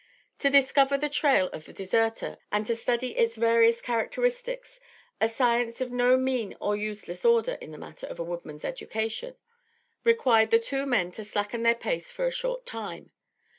To discover the trail of the deserter and to study its various characteristics, a science of no mean or useless order in the matter of a woodman's education, required the two men to slacken their pace for a short time.